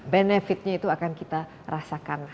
benefitnya itu akan kita rasakan